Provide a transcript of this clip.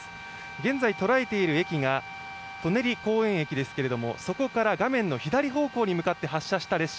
現在、捉えている駅が舎人公園駅ですがそこから画面の左方向に向けて発車した電車。